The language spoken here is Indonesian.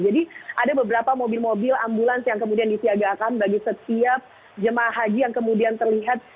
jadi ada beberapa mobil mobil ambulans yang kemudian disiagakan bagi setiap jemaah haji yang kemudian terlihat